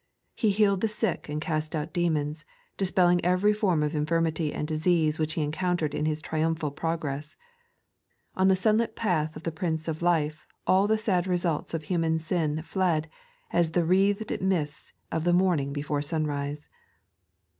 He healed the sick and cast out demons, dispelling every form of infirmity and disease which He encountered in His triumphal progress. On the sunlit path of the Prince of Life all the sad results of human sin fled, as the wreathed mists of morning before sunrise.